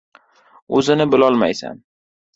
O‘zini bilolmaysan.